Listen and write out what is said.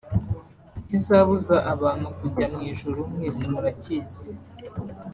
Ikizabuza abantu kujya mu ijuru mwese murakizi